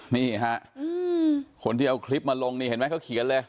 นี่ฮะคนที่เอาคลิปมาลงนี่เห็นไหมเขาเขียนเลย